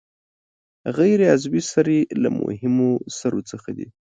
غیر عضوي سرې له مهمو سرو څخه دي.